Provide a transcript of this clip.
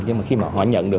nhưng mà khi mà họ nhận được